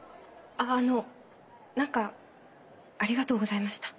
あのなんかありがとうございました。